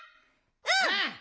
うん！